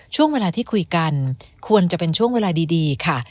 ช่วงเวลาที่คุยกันควรจะเป็นช่วงเวลาดีค่ะ